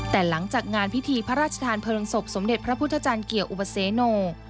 แต่หลังจากงานพิธีพระราชทานเพลิงศพสมเด็จพระพุทธจันทร์เกี่ยวอุปเสโน